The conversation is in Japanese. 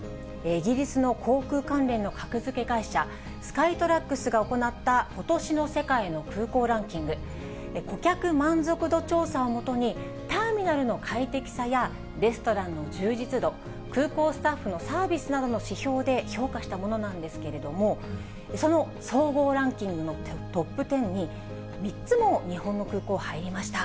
イギリスの航空関連の格付け会社、スカイトラックスが行ったことしの世界の空港ランキングで、顧客満足度調査を基に、ターミナルの快適さや、レストランの充実度、空港スタッフのサービスなどの指標で評価したものなんですけれども、その総合ランキングのトップ１０に、３つも日本の空港、入りました。